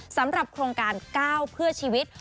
สำหรับโครงการ๙เพื่อชีวิต